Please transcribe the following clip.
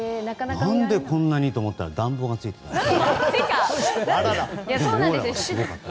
何でこんなに？と思ったら暖房がついていました。